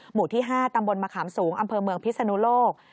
หมู่ที่๕ตำบลมะขามสูงอำเภอเมืองพิศนุโลก